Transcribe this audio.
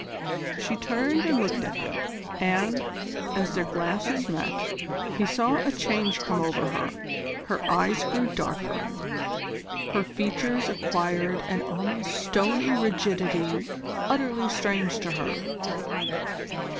She turned and looked at him, and, as their glances met, he saw a change come over her. Her eyes grew darker: her features acquired an almost stony rigidity utterly strange to her.